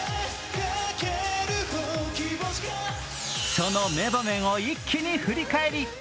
その名場面を一気に振り返り。